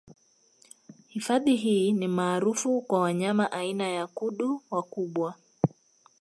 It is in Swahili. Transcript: Hifadhi hii ni maarufu kwa wanyama aina ya kudu wakubwa